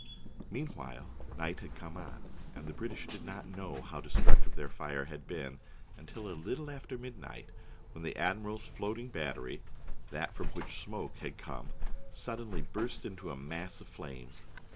Meanwhile night had come on, and the British did not know how destructive their fire had been until a little after midnight, when the admiral's floating battery — that from which smoke had come — suddenly burst into a mass of flames.